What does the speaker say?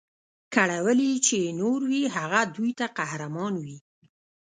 کړولي چي یې نور وي هغه دوی ته قهرمان وي